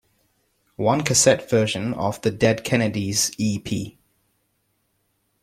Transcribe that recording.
One cassette version of the Dead Kennedys e.p.